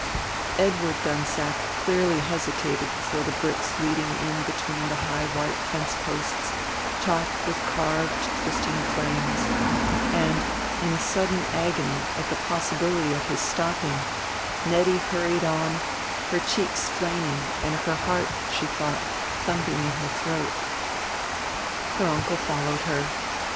Edward Dunsack clearly hesitated before the bricks leading in between the high white fence posts topped with carved twisting flames; and, in a sudden agony at the possibility of his stopping, Nettie hurried on, her cheeks flaming and her heart, she thought, thumping in her throat. Her uncle followed her.